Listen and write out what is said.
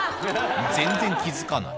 全然気付かない